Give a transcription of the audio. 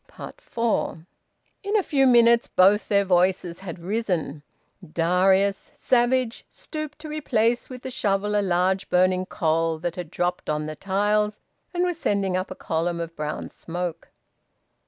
FOUR. In a few minutes both their voices had risen. Darius, savage, stooped to replace with the shovel a large burning coal that had dropped on the tiles and was sending up a column of brown smoke.